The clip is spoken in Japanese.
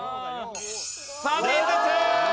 ３人ずつ！